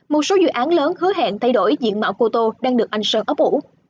một số dự án lớn hứa hẹn thay đổi diện mạo cô tô đang được anh sơn ấp ủ